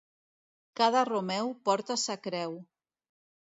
Cada romeu porta sa creu.